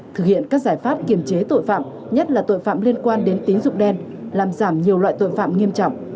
thực hiện các giải pháp kiềm chế tội phạm nhất là tội phạm liên quan đến tín dụng đen làm giảm nhiều loại tội phạm nghiêm trọng